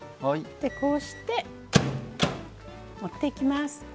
でこうして持っていきます。